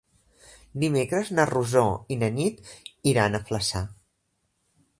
Dimecres na Rosó i na Nit iran a Flaçà.